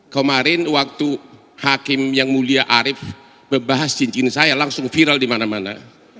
kemarin waktu hakim yang mulia arief membahas cincin saya langsung viral di mana mana